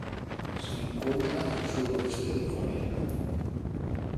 Se encuentra al suroeste de Corea.